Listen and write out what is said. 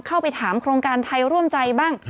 เข้าไปถามโครงการไทยร่วมใจบ้าง